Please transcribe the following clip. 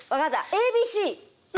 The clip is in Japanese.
ＡＢＣ。